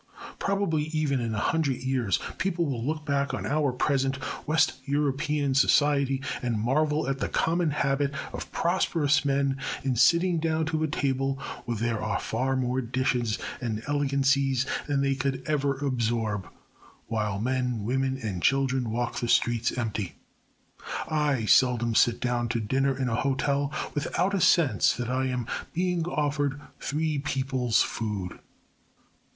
Probably, even in a hundred years, people will look back on our present west European society and marvel at the common habit of prosperous men in sitting down to a table where there are far more dishes and elegancies than they can ever absorb, while men, women and children walk the streets empty. I seldom sit down to dinner in a hotel without a sense that I am being offered three people's food.